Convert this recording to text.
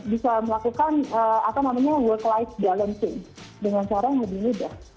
bisa melakukan work life balancing dengan cara yang lebih mudah